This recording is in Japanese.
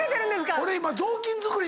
俺今。